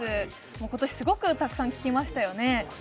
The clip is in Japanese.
今年すごくたくさん聞きましたよね。